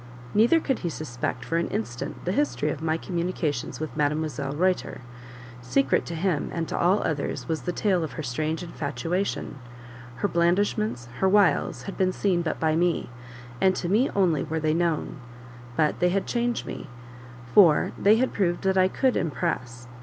Neither could he suspect for an instant the history of my communications with Mdlle. Reuter; secret to him and to all others was the tale of her strange infatuation; her blandishments, her wiles had been seen but by me, and to me only were they known; but they had changed me, for they had proved that I COULD impress.